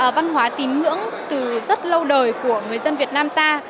văn hóa tín ngưỡng từ rất lâu đời của người dân việt nam ta